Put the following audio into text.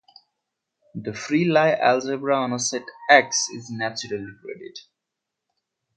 The free Lie algebra on a set "X" is naturally graded.